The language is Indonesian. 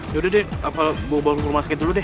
yaudah deh bawa bawa ke rumah sakit dulu deh